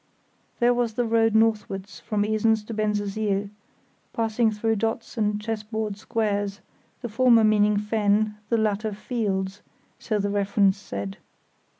There was the road northwards from Esens to Bensersiel, passing through dots and chess board squares, the former meaning fen, the latter fields, so the reference said.